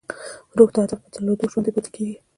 روح د هدف په درلودو ژوندی پاتې کېږي.